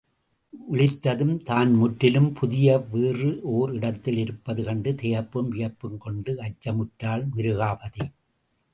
விழித்ததும் தான் முற்றிலும் புதிய வேறு ஓர் இடத்தில் இருப்பது கண்டு திகைப்பும் வியப்பும் கொண்டு, அச்சமுற்றாள் மிருகாபதி.